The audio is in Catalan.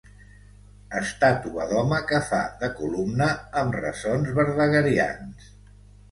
Estàtua d'home que fa de columna amb ressons verdaguerians.